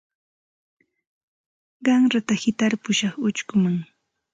Qanrata hitarpushaq uchkuman.